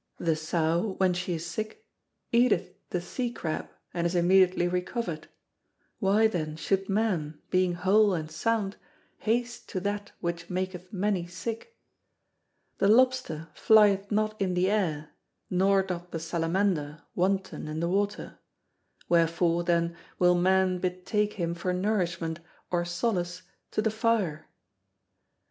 The sow, when she is sick, eateth the sea crab and is immediately recovered: why, then, should man, being whole and sound, haste to that which maketh many sick? The lobster flieth not in the air, nor doth the salamander wanton in the water; wherefore, then, will man betake him for nourishment or solace to the fire?